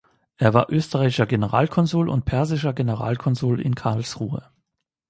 Er war Österreichischer Generalkonsul und Persischer Generalkonsul in Karlsruhe.